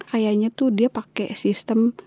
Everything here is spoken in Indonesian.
kayaknya tuh dia pakai sistem